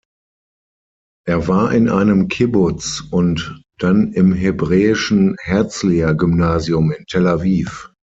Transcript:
Er war in einem Kibbutz und dann im Hebräischen Herzlia Gymnasium in Tel Aviv.